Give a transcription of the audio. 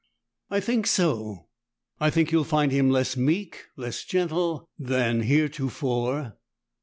"I think so. I think you'll find him less meek, less gentle, than heretofore.